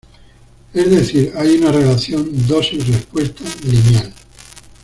Es decir hay una "relación dosis-respuesta" lineal.